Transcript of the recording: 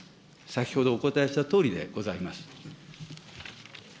先ほどお答えしたとおりでございます。